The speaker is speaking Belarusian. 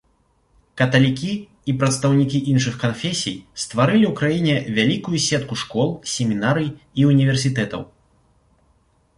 Каталікі і прадстаўнікі іншых канфесій стварылі ў краіне вялікую сетку школ, семінарый і універсітэтаў.